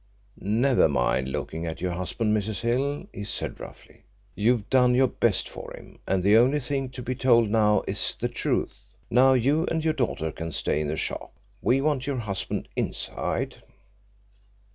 "Never mind looking at your husband, Mrs. Hill," he said roughly. "You've done your best for him, and the only thing to be told now is the truth. Now you and your daughter can stay in the shop. We want your husband inside."